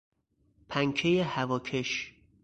پنکه هواکش